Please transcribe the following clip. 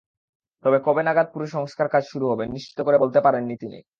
তবে কবে নাগাদ পুরো সংস্কারকাজ শুরু হবে নিশ্চিত করে বলতে পারেননি তিনি।